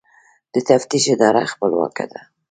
د تفتیش اداره خپلواکه ده؟